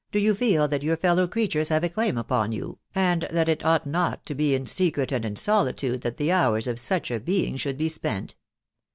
you feel that your fellow creatures have a claim upon you, and that it ought not to be in secret and in solitude that the hours of such a being should be spent